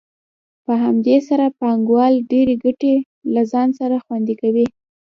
په همدې سره پانګوال ډېرې ګټې له ځان سره خوندي کوي